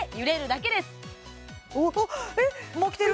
もうきてる？